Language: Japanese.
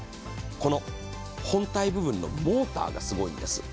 この本体部分のモーターがすごいんです。